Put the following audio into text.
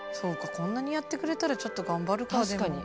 こんなにやってくれたらちょっと頑張るかでも。